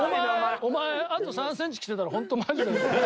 お前あと３ｃｍ来てたらほんとマジで。